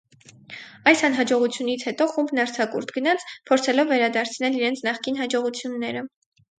Այս անհաջողությունից հետո խումբն արձակուրդ գնաց՝ փորձելով վերադարձնել իրենց նախկին հաջողությունները։